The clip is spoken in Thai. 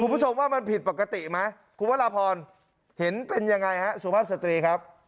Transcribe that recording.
คุณผู้ชมว่ามันผิดปกติไหมคุณพระราพรเห็นเป็นยังไงฮะสุภาพสตรีครับ